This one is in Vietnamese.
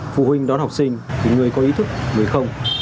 phụ huynh đón học sinh thì người có ý thức người không